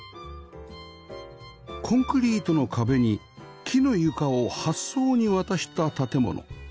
コンクリートの壁に木の床を８層に渡した建物